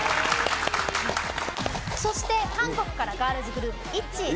そして、韓国からガールズグループＩＴＺＹ。